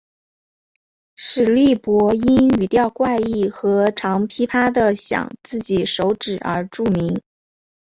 史力柏因语调怪异和常劈啪地晌自己手指而著名。